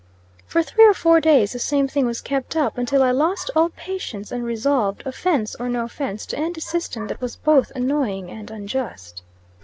For three or four days the same thing was kept up, until I lost all patience, and resolved, offence or no offence, to end a system that was both annoying and unjust.